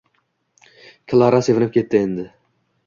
Klara sevinib ketdi endi.